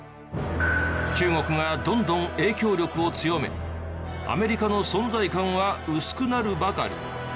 中国がどんどん影響力を強めアメリカの存在感は薄くなるばかり。